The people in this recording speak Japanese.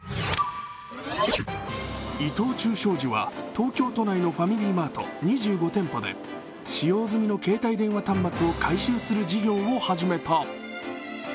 伊藤忠商事は東京都内のファミリーマート２５店舗で使用済みの携帯電話端末を回収する事業を始めた。